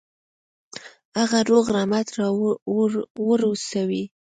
هغه روغ رمټ را ورسوي.